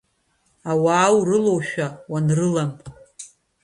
Ауаа урылоушәа уанрылам…